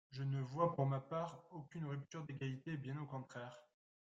Je ne vois, pour ma part, aucune rupture d’égalité, bien au contraire.